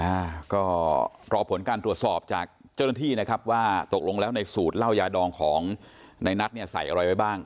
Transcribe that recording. อ่าก็รอผลการตรวจสอบจากเจ้าหน้าที่นะครับว่าตกลงแล้วในสูตรเหล้ายาดองของในนัทเนี่ยใส่อะไรไว้บ้าง